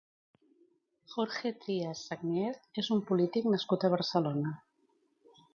Jorge Trías Sagnier és un polític nascut a Barcelona.